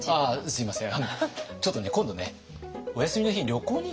すみません。